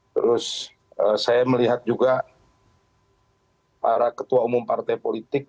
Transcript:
terus saya melihat juga para ketua umum partai politik